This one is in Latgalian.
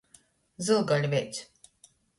Zylgaļveitis.